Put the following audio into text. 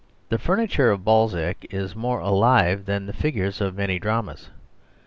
The furni ture of Balzac is more alive than the figures of many dramas.